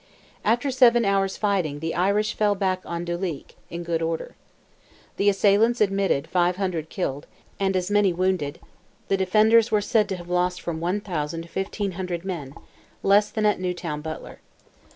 After seven hours' fighting the Irish fell back on Duleek, in good order. The assailants admitted five hundred killed, and as many wounded; the defenders were said to have lost from one thousand to fifteen hundred men—less than at Newtown Butler.